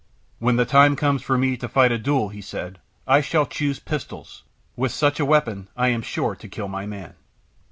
"When the time comes for me to fight a duel," he said, "I shall choose pistols. With such a weapon I am sure to kill my man."